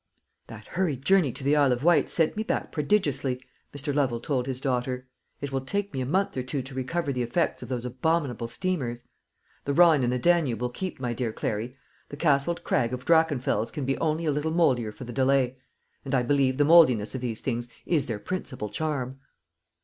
"That hurried journey to the Isle of Wight sent me back prodigiously," Mr. Lovel told his daughter. "It will take me a month or two to recover the effects of those abominable steamers. The Rhine and the Danube will keep, my dear Clary. The castled crag of Drachenfels can be only a little mouldier for the delay, and I believe the mouldiness of these things is their principal charm."